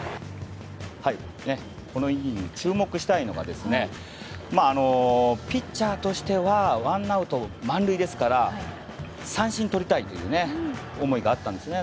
このイニング、注目したいのがピッチャーとしてはワンアウト満塁ですから三振とりたいという思いがあったんですね。